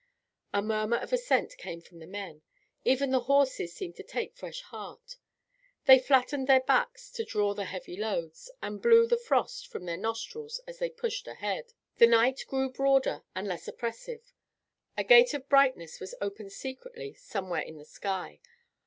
A murmur of assent came from the men. Even the horses seemed to take fresh heart. They flattened their backs to draw the heavy loads, and blew the frost from their nostrils as they pushed ahead. The night grew broader and less oppressive. A gate of brightness was opened secretly somewhere in the sky.